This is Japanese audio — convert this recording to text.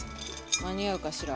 間に合うかしら？